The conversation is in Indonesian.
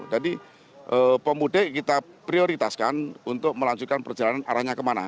jadi pemudik kita prioritaskan untuk melanjutkan perjalanan arahnya kemana